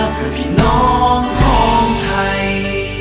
เพื่อพี่น้องของไทย